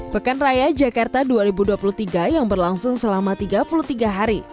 pekan raya jakarta dua ribu dua puluh tiga yang berlangsung selama tiga puluh tiga hari